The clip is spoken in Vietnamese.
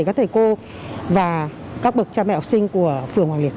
các thầy cô và các bậc cha mẹ học sinh của phường hoàng liệt